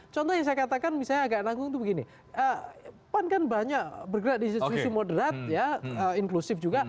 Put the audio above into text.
contoh yang saya katakan misalnya agak nanggung itu begini pan kan banyak bergerak di institusi moderat ya inklusif juga